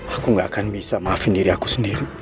aku gak akan bisa maafin diri aku sendiri